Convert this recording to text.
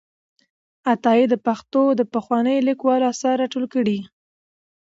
عطایي د پښتو د پخوانیو لیکوالو آثار راټول کړي دي.